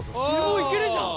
もういけるじゃん。